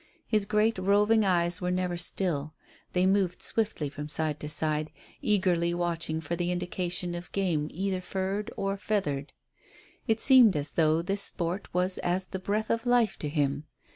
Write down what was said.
His great roving eyes were never still; they moved swiftly from side to side, eagerly watching for the indication of game either furred or feathered. It seemed as though this sport was as the breath of life to him.